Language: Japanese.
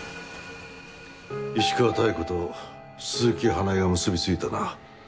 石川妙子と鈴木花絵が結び付いたな。